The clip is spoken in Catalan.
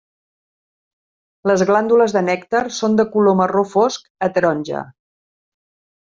Les glàndules de nèctar són de color marró fosc a taronja.